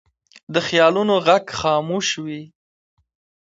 د خیالونو غږ خاموش وي